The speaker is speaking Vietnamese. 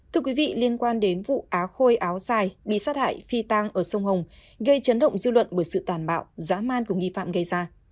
thưa quý vị liên quan đến vụ á khôi áo dài bị sát hại phi tang ở sông hồng gây chấn động dư luận bởi sự tàn bạo giá man của nghi phạm gây ra